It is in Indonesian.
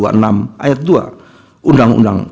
dan kemudian kemudian kemudian kemudian kemudian kemudian